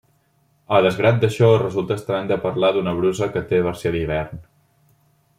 A desgrat d'això, resulta estrany de parlar d'una brusa que té versió d'hivern.